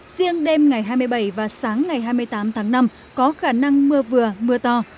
riêng đêm ngày hai mươi bảy và sáng ngày hai mươi tám tháng năm có khả năng mưa vừa mưa to